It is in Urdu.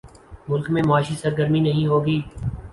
ملک میں معاشی سرگرمی نہیں ہو گی۔